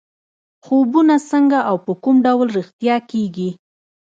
خوبونه څنګه او په کوم ډول رښتیا کېږي.